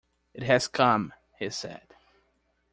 “It has come,” he said.